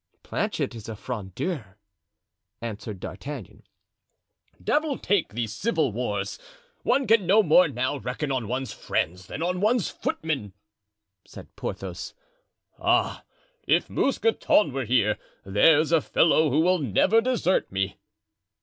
"Planchet is a Frondeur," answered D'Artagnan. "Devil take these civil wars! one can no more now reckon on one's friends than on one's footmen," said Porthos. "Ah! if Mousqueton were here! there's a fellow who will never desert me!"